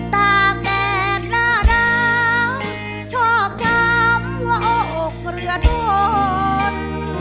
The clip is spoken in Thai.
ตากแดดหน้าดาวชอบคำว่าออกเรือโดน